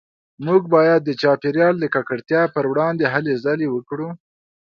موږ باید د چاپیریال د ککړتیا پروړاندې هلې ځلې وکړو